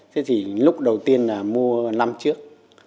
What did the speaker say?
thế thì lúc đầu tiên mua năm trước